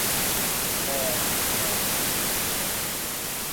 ดอ ฎอ